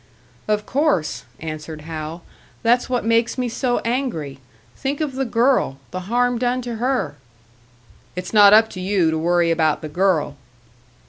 "Of course," answered Hal. "That's what makes me so angry. Think of the girl, the harm done to her!" "It's not up to you to worry about the girl."